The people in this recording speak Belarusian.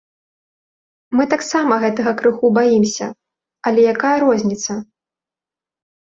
Мы таксама гэтага крыху баімся, але якая розніца?